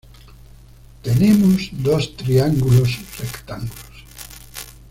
Tenemos dos triángulos rectángulos.